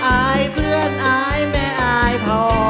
อายเพื่อนอายแม่อายพอ